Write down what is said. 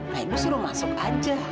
nah ibu suruh masuk aja